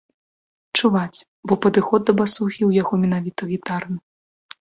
Чуваць, бо падыход да басухі ў яго менавіта гітарны.